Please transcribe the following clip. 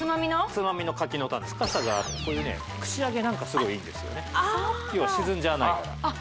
つまみの柿の種深さがある串揚げなんかすごいいいんですよね沈んじゃわないからあっ